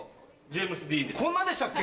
こんなでしたっけ？